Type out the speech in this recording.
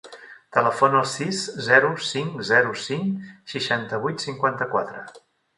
Telefona al sis, zero, cinc, zero, cinc, seixanta-vuit, cinquanta-quatre.